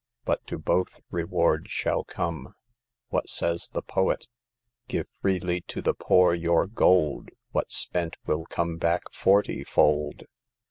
But to both reward shall come. What says the poet :* Give freely to the poor your gold ; What*s spent will come back forty fold.'